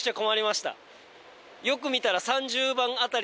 よく見たら。